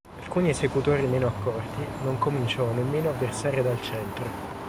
Alcuni esecutori meno accorti non cominciano nemmeno a versare dal centro.